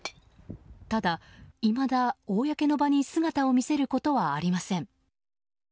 ただ、いまだ公の場に姿を見せることはありません。